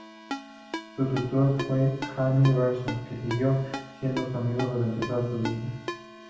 Su tutor fue Henri Bergson, que siguió siendo su amigo durante toda su vida.